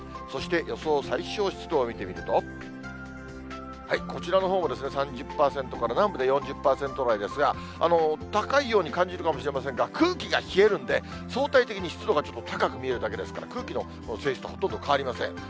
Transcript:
そして予想最小湿度を見てみると、こちらのほうも３０％から南部で４０％台ですが、高いように感じるかもしれませんが、空気が冷えるんで、相対的に湿度がちょっと高く見えるだけですから、空気の数字と、ほとんど変わりません。